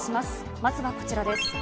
まずはこちらです。